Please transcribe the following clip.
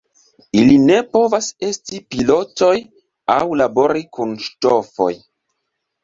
Ili ne povas esti pilotoj aŭ labori kun ŝtofoj.